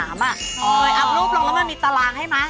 อัพรูปลงแล้วมันมีตารางให้ไหม